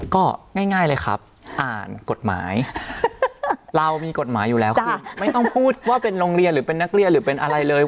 ก็ง่ายเลยครับอ่านกฎหมายเรามีกฎหมายอยู่แล้วคือไม่ต้องพูดว่าเป็นโรงเรียนหรือเป็นนักเรียนหรือเป็นอะไรเลย